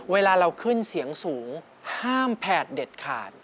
เวลาเราขึ้นเสียงสูงห้ามแผดเด็ดขาด